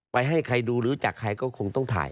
ให้ใครดูรู้จักใครก็คงต้องถ่าย